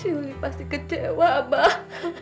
si yuli pasti kecewa mbak